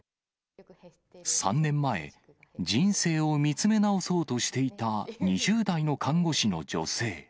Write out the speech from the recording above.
３年前、人生を見つめ直そうとしていた２０代の看護師の女性。